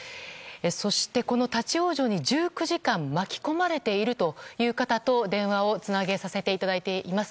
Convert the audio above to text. そして、この立ち往生に１９時間巻き込まれている方と電話をつなげさせていただいています。